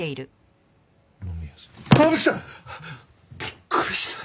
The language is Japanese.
びっくりした。